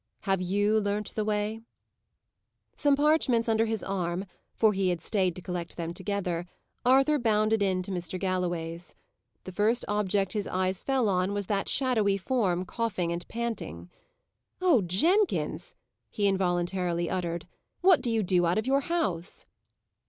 Have you learnt the way? Some parchments under his arm, for he had stayed to collect them together, Arthur bounded in to Mr. Galloway's. The first object his eyes fell on was that shadowy form, coughing and panting. "Oh, Jenkins!" he involuntarily uttered, "what do you do out of your house?"